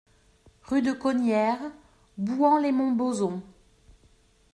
Rue de Cognières, Bouhans-lès-Montbozon